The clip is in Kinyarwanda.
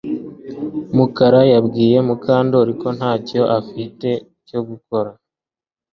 Mukara yabwiye Mukandoli ko ntacyo afite cyo gukora